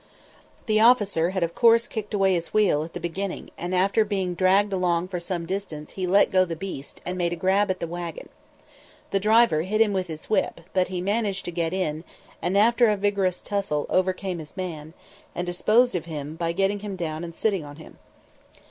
The officer had of course kicked away his wheel at the beginning, and after being dragged along for some distance he let go the beast and made a grab at the wagon. The driver hit him with his whip, but he managed to get in, and after a vigorous tussle overcame his man, and disposed of him by getting him down and sitting on him.